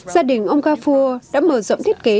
gia đình ông gafur đã mở rộng thiết kế